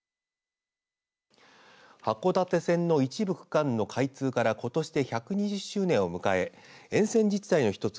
函館線の一部区間の開通からことしで１２０周年を迎え沿線自治体の一つ